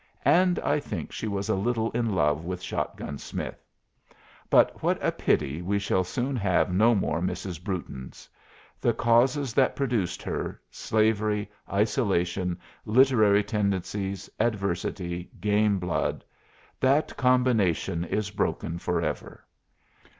And I think she was a little in love with Shot gun Smith. But what a pity we shall soon have no more Mrs. Brewtons! The causes that produced her slavery, isolation, literary tendencies, adversity, game blood that combination is broken forever.